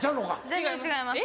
全然違います。